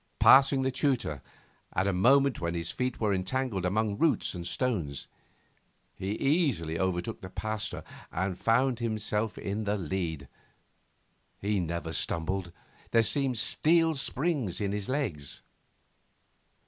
Passing the tutor at a moment when his feet were entangled among roots and stones, he easily overtook the Pasteur and found himself in the lead. He never stumbled; there seemed steel springs in his legs.